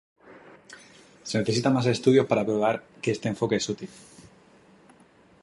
Se necesitan más estudios para probar que este enfoque es útil.